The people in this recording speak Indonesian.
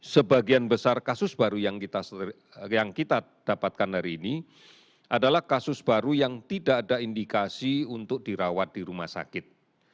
sebagian besar kasus baru yang kita dapatkan hari ini adalah kasus baru yang tidak ada indikasi untuk dirawat di rumah sakit